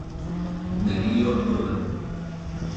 Darío Urban.